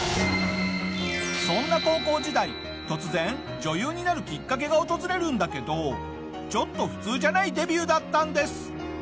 そんな高校時代突然女優になるきっかけが訪れるんだけどちょっと普通じゃないデビューだったんです。